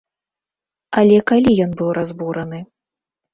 Але калі ён быў разбураны?